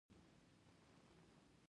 نن د دې جانانه انسان له مړیني خبر شوم